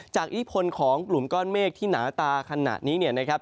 จากอิทธิพลของกลุ่มก้อนเมฆที่หนาตาขนาดนี้นะครับ